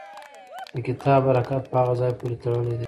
د کتاب حرکت په هغه ځای پورې تړلی دی.